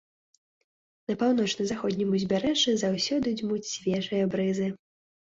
На паўночна-заходнім узбярэжжы заўсёды дзьмуць свежыя брызы.